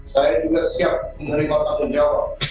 saya juga siap menerima tanggung jawab